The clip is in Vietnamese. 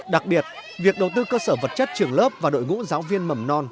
đặc biệt việc đầu tư cơ sở vật chất trường lớp và đội ngũ giáo viên mầm non